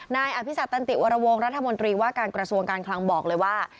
นายอภิษัตวตันติวรวงรัฐมนตรีว่าการกระทรวงการคลังบอกเลยว่า